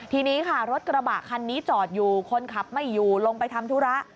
ทีนี้ค่ะรถกระบะคันนี้จอดอยู่คนขับไม่อยู่ลงไปทำธุระ